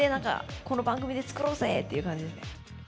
この番組で作ろうぜ！っていう感じですね。